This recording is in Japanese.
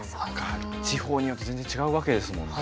地方によって全然違うわけですもんね。